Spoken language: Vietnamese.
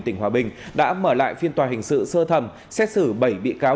tỉnh hòa bình đã mở lại phiên tòa hình sự sơ thẩm xét xử bảy bị cáo